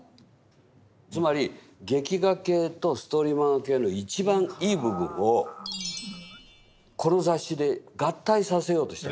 つまり劇画系とストーリー漫画系の一番いい部分をこの雑誌で合体させようとしたんです。